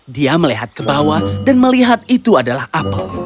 dia melihat ke bawah dan melihat itu adalah apel